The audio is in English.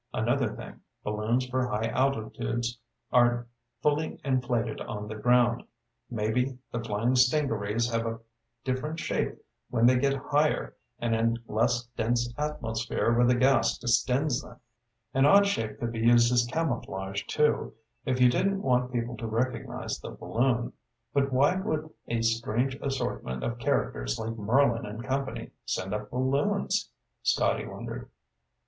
Another thing balloons for high altitudes aren't fully inflated on the ground. Maybe the flying stingarees have a different shape when they get higher and in less dense atmosphere where the gas distends them." "An odd shape could be used as camouflage, too, if you didn't want people to recognize the balloon. But why would a strange assortment of characters like Merlin and company send up balloons?" Scotty wondered.